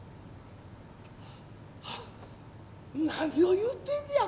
あっ何を言うてんのや